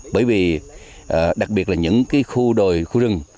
bởi vì đặc biệt là những khu đồi khu rừng